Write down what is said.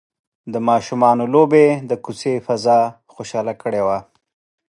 د ماشومانو لوبې د کوڅې فضا خوشحاله کړې وه.